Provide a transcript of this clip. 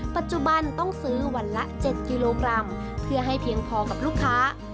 ปัจจุบันต้องซื้อวันละ๗กิโลกรัมเพื่อให้เพียงพอกับลูกค้า